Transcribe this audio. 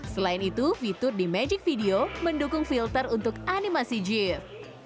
selain itu fitur di magic video mendukung filter untuk animasi jeep